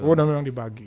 oh udah memang dibagi